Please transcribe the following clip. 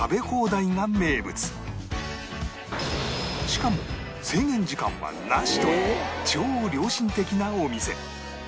しかも制限時間はなしという超良心的なお店